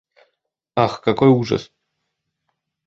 Ах, какой ужас!